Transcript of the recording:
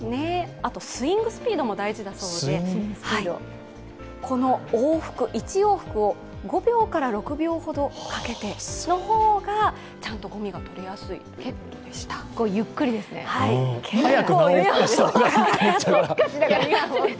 あと、スイングスピードも大事だそうで、この往復、１往復を５６秒ほどかけての方がちゃんとごみが取れやすいということでした。